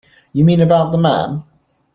You mean about the man?